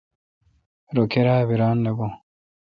رو کیرا بھ ران نہ بھو۔